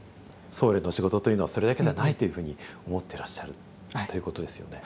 僧侶の仕事というのはそれだけじゃないというふうに思ってらっしゃるということですよね。